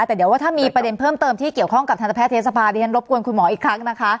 แต่ถ้ามีประเด็นเพิ่มเติมที่เกี่ยวข้องกับธนไพรค์เทศภาถึงลบกวนคุณหมออีกครั้งนะคะ